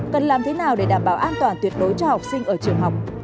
cần làm thế nào để đảm bảo an toàn tuyệt đối cho học sinh ở trường học